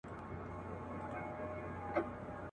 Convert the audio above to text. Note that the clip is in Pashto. چي رمې به گرځېدلې د مالدارو.